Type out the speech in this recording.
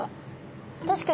確かに。